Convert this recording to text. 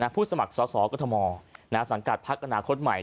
ผู้สมัครสอสอกฎธมสังกัดพักอนาคตใหม่